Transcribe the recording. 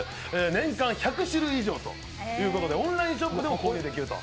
年間１００種類以上ということでオンラインショップでも購入できると。